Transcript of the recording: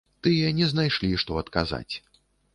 Тыя не знайшлі, што адказаць.